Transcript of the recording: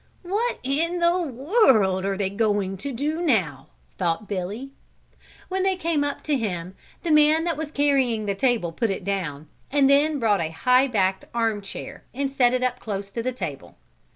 "What in the world are they going to do now," thought Billy. When they came up to him, the man that was carrying the table put it down and then brought a high backed arm chair and set it up close to the table.